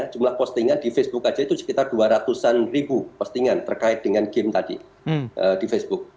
jumlah postingan di facebook saja itu sekitar dua ratus an ribu postingan terkait dengan game tadi di facebook